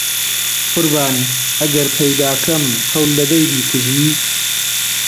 قوربان ئەگەر پەیدا کەم قەول دەدەی بیکوژی؟